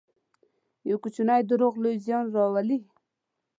یو کوچنی دروغ لوی زیان راولي.